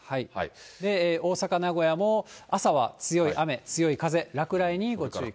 大阪、名古屋も朝は強い雨、強い風、落雷にご注意ください。